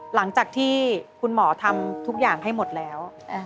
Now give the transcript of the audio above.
หลังจากที่คุณหมอทำทุกอย่างให้หมดแล้ว